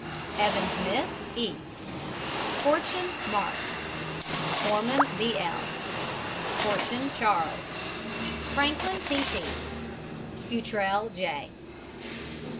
EVANS, MISS E. FORTUNE, MARK. FOREMAN, B. L. FORTUNE, CHARLES. FRANKLIN, T. P. FUTRELLE, J.